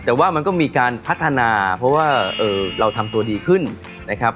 แต่ว่ามันก็มีการพัฒนาเพราะว่าเราทำตัวดีขึ้นนะครับ